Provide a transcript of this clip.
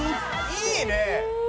いいね！